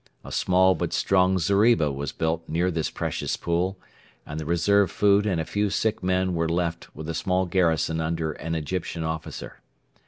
A small but strong zeriba was built near this precious pool, and the reserve food and a few sick men were left with a small garrison under an Egyptian officer.